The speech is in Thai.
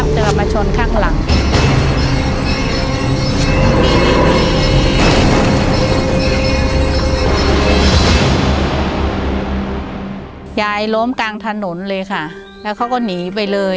ดรนั่นน่ะพี่ออโต้ได้๓ขวบ